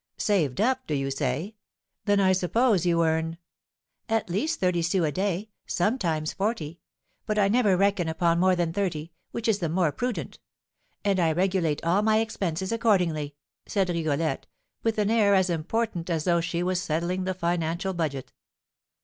"Saved up, do you say? Then, I suppose, you earn " "At least thirty sous a day, sometimes forty; but I never reckon upon more than thirty, which is the more prudent; and I regulate all my expenses accordingly," said Rigolette, with an air as important as though she was settling the financial budget.